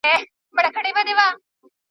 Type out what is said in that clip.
کابل د ټولو زړه دی.